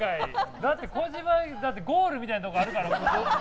だって、児島ゴールみたいなところあるから。